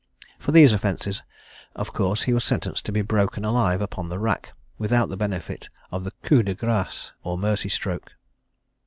For these offences, of course, he was sentenced to be broken alive upon the rack, without the benefit of the coup de grace, or mercy stroke.